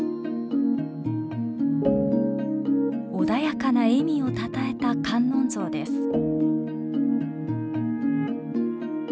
穏やかな笑みをたたえた観音像です。